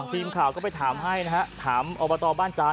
ฟิล์มข่าวก็ไปถามให้นะครับถามออร์เบอร์ตอร์บ้านจารย์